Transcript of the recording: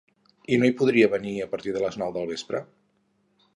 I no hi podria venir a partir de les nou del vespre?